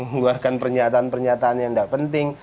keluarkan pernyataan pernyataan yang nggak penting